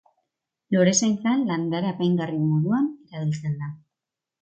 Lorezaintzan landare apaingarri moduan erabiltzen da.